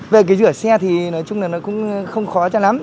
về cái rửa xe thì nói chung là nó cũng không khó cho lắm